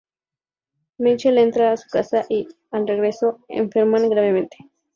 Michelle entra en su casa y, al regreso, enferma gravemente.